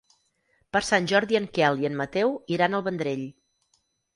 Per Sant Jordi en Quel i en Mateu iran al Vendrell.